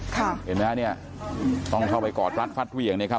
เห็นไหมฮะเนี่ยต้องเข้าไปกอดรัดฟัดเหวี่ยงเนี่ยครับ